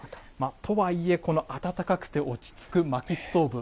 とはいえ、この暖かくて落ち着くまきストーブ。